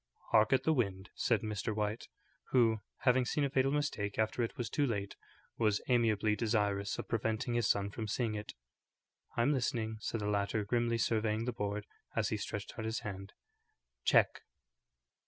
"Hark at the wind," said Mr. White, who, having seen a fatal mistake after it was too late, was amiably desirous of preventing his son from seeing it. "I'm listening," said the latter, grimly surveying the board as he stretched out his hand. "Check."